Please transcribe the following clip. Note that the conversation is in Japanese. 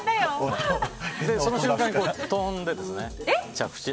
その瞬間に飛んで、着地。